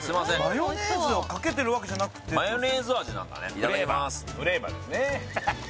マヨネーズをかけてるわけじゃなくてマヨネーズ味なんだねフレーバーフレーバーですね